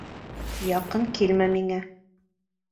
Яҡын килмә миңә!